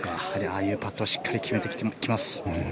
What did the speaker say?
ああいうパットをしっかり決めてきます。